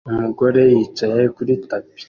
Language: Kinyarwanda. Umugore yicaye kuri tapi